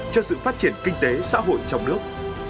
cho sự phát triển kinh tế xã hội trong nước